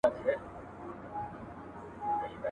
• يادوه مي ته، مړوي به مي خداى.